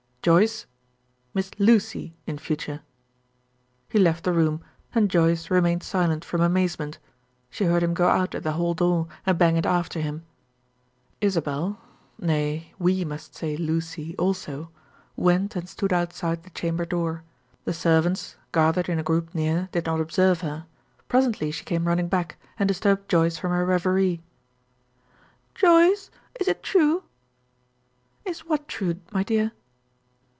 "Joyce Miss Lucy in future." He left the room, and Joyce remained silent from amazement. She heard him go out at the hall door and bang it after him. Isabel nay, we must say "Lucy" also went and stood outside the chamber door; the servants gathered in a group near, did not observe her. Presently she came running back, and disturbed Joyce from her reverie. "Joyce, is it true?" "Is what true, my dear?"